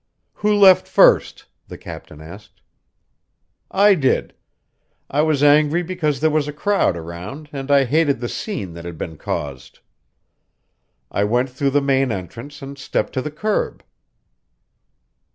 "Who left first?" the captain asked. "I did. I was angry because there was a crowd around and I hated the scene that had been caused. I went through the main entrance and stepped to the curb."